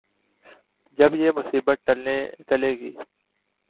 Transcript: جب یہ مصیبت ٹلے گی۔